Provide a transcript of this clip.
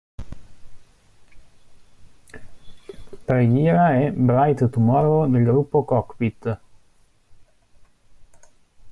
Preghiera è "Bright Tomorrow" del gruppo Cockpit.